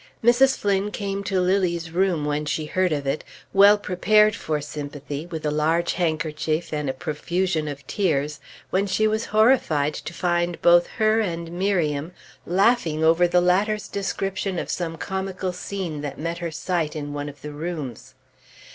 Mrs. Flynn came to Lilly's room, when she heard of it, well prepared for sympathy, with a large handkerchief and a profusion of tears, when she was horrified to find both her and Miriam laughing over the latter's description of some comical scene that met her sight in one of the rooms.